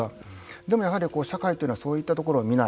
でも、やはり社会というのはそういったところを見ない。